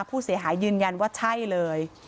ผู้เสียหายยืนยันว่าใช่เลย